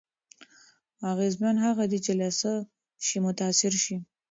اغېزمن هغه دی چې له څه شي متأثر شي.